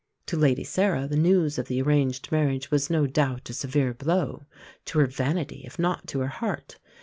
To Lady Sarah the news of the arranged marriage was no doubt a severe blow to her vanity, if not to her heart.